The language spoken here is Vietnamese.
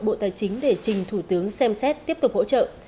bộ tài chính để trình thủ tướng xem xét tiếp tục hỗ trợ